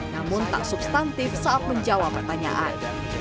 namun tak substantif saat menjawab pertanyaan